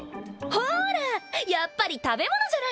ほーらやっぱり食べ物じゃないの！